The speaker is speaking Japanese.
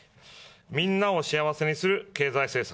みんなを幸せにする経済政策。